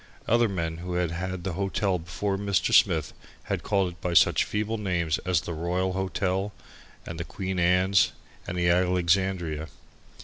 Other men who had had the hotel before Mr. Smith had called it by such feeble names as the Royal Hotel and the Queen's and the Alexandria.